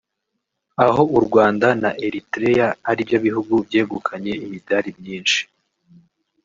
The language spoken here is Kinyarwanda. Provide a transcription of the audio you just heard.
aho u Rwanda na Eritrea ari byo bihugu byegukanye imidari myinshi